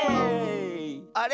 あれ？